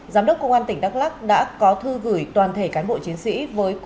giám đốc công an tỉnh đắk lắc đã có thư gửi toàn thể cán bộ chiến sĩ